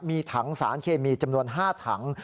มีถังสารเคมีจำนวน๕ถัง